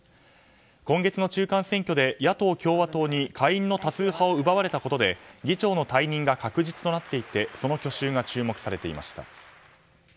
今月の中間選挙で野党・共和党に下院の多数派を奪われたことで議長の退任が確実となっていてその去就が注目となっていました。